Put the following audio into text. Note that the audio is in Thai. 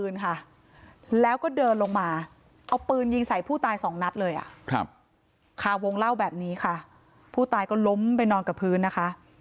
นัทเลยครับข่าววงเล่าแบบนี้ค่ะผู้ตายก็ล้มไปนอนกับพื้นนะคะ